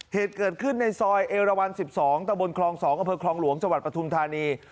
เหตุเกิดขึ้นในซอยเอรวรรณ๑๒ตะบลคลอง๒อคลองหลวงจประธุมธานี